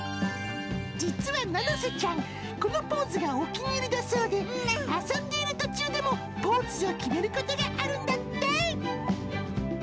実はナナセちゃん、このポーズがお気に入りだそうで、遊んでいる途中でもポーズを決めることがあるんだって。